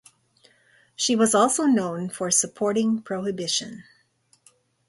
She was also known for supporting prohibition.